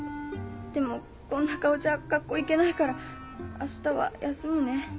でもこんな顔じゃ学校へ行けないから明日は休むね。